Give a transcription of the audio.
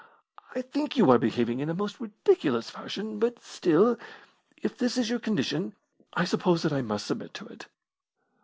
"I think you are behaving in a most ridiculous fashion, but still, if this is your condition, I suppose that I must submit to it.